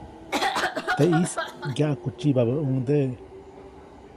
Teʼis ŋgyaʼkutsyibabäʼuŋdeʼe.